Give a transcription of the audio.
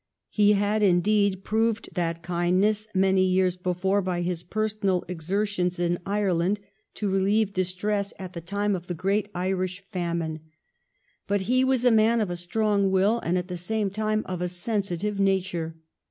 He had, indeed, proved that kindness many years before by his personal exertions in Ireland to relieve distress at the time of the THE TWO SPHINXES, IRELAND AND EGYPT 345 great Irish famine. But he was a man of a strong will and at the same time of a sensitive nature.